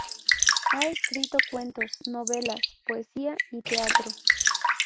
Ha escrito cuentos, novelas, poesía y teatro.